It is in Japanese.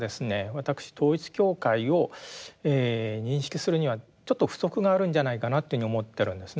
私統一教会を認識するにはちょっと不足があるんじゃないかなというふうに思ってるんですね。